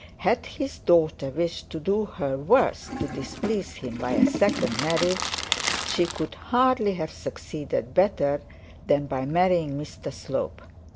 Had his daughter wished to do her worst to displease him by a second marriage, she could hardly have succeeded better than by marrying Mr Slope.